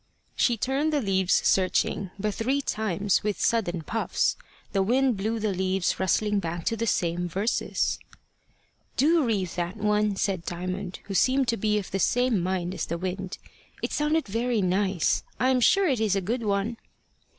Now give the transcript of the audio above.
She turned the leaves searching, but three times, with sudden puffs, the wind blew the leaves rustling back to the same verses. "Do read that one," said Diamond, who seemed to be of the same mind as the wind. "It sounded very nice. I am sure it is a good one."